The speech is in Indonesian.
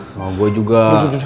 sama gue juga